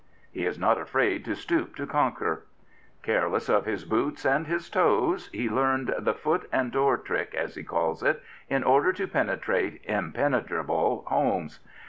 " He is not afraid to stoop to conquer. Careless of his boots and his toes, he learned " the foot and door trick," as he calls it, in order to penetrate impene trable homes.